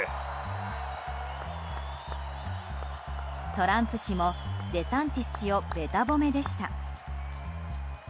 トランプ氏もデサンティス氏をべた褒めでした。